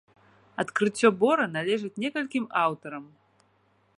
Адкрыццё бора належыць некалькім аўтарам.